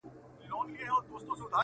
ته احمق یې خو له بخته ګړندی یې!!